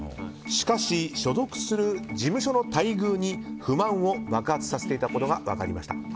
しかし、所属する事務所の待遇に不満を爆発させていたことが分かりました。